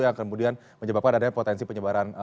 yang kemudian menyebabkan adanya potensi penyebaran